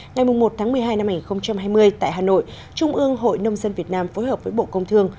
ngày một một mươi hai năm hai nghìn hai mươi tại hà nội trung ương hội nông dân việt nam phối hợp với bộ công thương